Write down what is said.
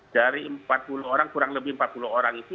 dari empat puluh orang kurang lebih empat puluh orang itu